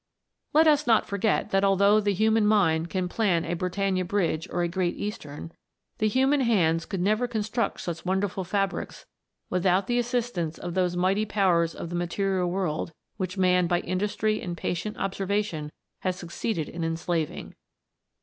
Let us not forget that although the human mind may plan a Britannia Bridge or a Great Eastern, the human hands could never construct such wonderful fabrics without the assistance of those mighty powers of the material world which man by indus try and patient observation has succeeded in enslav ing.